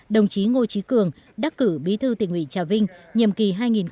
đồng chí ngô trí cường đắc cử bí thư tỉnh ủy trà vinh nhiệm kỳ hai nghìn hai mươi hai nghìn hai mươi năm